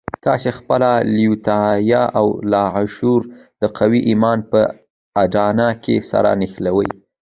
تاسې خپله لېوالتیا او لاشعور د قوي ايمان په اډانه کې سره نښلوئ.